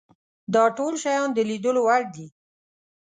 دا ټول شیان د لیدلو وړ دي.